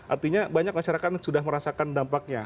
artinya banyak masyarakat sudah merasakan dampaknya